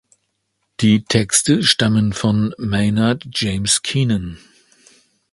Die Texte stammen von Maynard James Keenan.